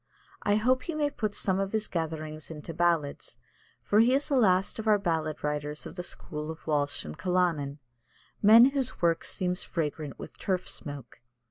I hope he may put some of his gatherings into ballads, for he is the last of our ballad writers of the school of Walsh and Callanan men whose work seems fragrant with turf smoke.